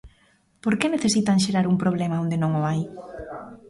¿Por que necesitan xerar un problema onde non o hai?